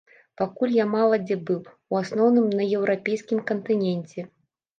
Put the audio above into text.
Пакуль я мала дзе быў, у асноўным на еўрапейскім кантыненце.